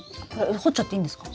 掘っちゃっていいんですか？